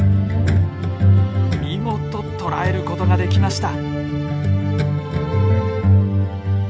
見事捕らえる事ができました。